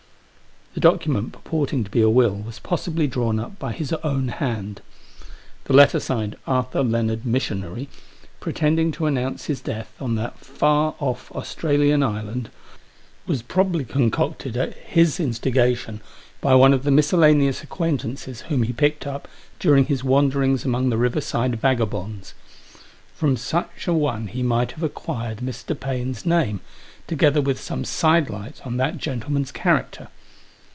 The document purporting to be a will was possibly drawn up by his own hand. The letter signed " Arthur Lennard, Missionary," pretending to announce his death on that far off Australasian island, was Digitized by 800 iHE JOSS. probably concocted, at his instigation, by one of the miscellaneous acquaintances whom he picked up during his wanderings among the riverside vagabonds. From such an one he might have acquired Mr. Paine's name, together with some side lights on that gentle man's character.